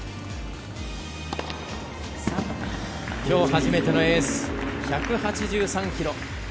きょう初めてのエース、１８３キロ。